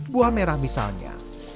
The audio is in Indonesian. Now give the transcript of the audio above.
buah merah misalnya